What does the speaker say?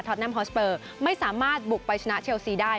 แมมฮอสเปอร์ไม่สามารถบุกไปชนะเชลซีได้